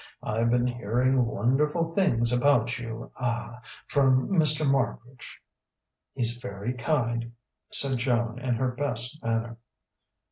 "I've been hearing wonderful things about you ah from Mr. Marbridge." "He's very kind," said Joan in her best manner.